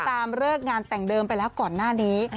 เลิกงานแต่งเดิมไปแล้วก่อนหน้านี้